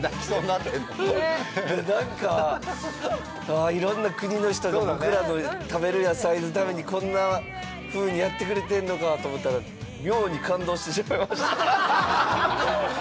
なんかいろんな国の人が僕らの食べる野菜のためにこんな風にやってくれてるのかと思ったら妙に感動してしまいました。